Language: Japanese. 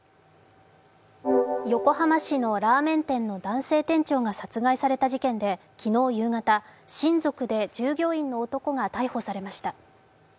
横浜市のラーメン店の男性店長が殺害された事件で昨日夕方、親族で従業員の男が逮捕されました。